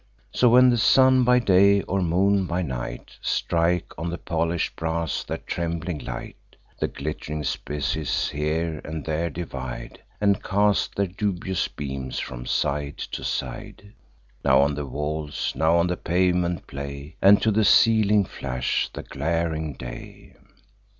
So, when the sun by day, or moon by night, Strike on the polish'd brass their trembling light, The glitt'ring species here and there divide, And cast their dubious beams from side to side; Now on the walls, now on the pavement play, And to the ceiling flash the glaring day.